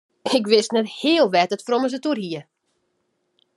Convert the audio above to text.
Ik wist net heal wêr't it frommes it oer hie.